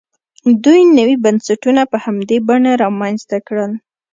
دوی نوي بنسټونه په همدې بڼه رامنځته کړل.